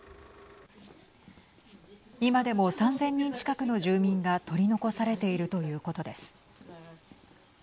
今でも３０００人近くの住民が取り残されているということです。